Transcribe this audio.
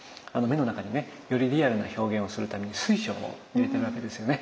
目の中にねよりリアルな表現をするために水晶を入れてるわけですよね。